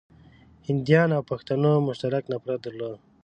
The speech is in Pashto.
هنديانو او پښتنو مشترک نفرت درلود.